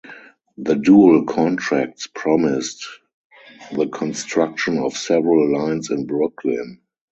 The Dual Contracts promised the construction of several lines in Brooklyn.